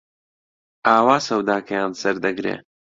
ئاوا سەوداکەیان سەردەگرێ